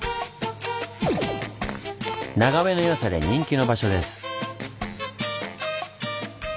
眺めの良さで人気の場所です。